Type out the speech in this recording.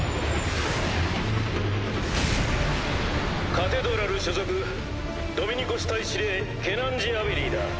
カテドラル所属ドミニコス隊司令ケナンジ・アベリーだ。